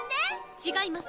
違います。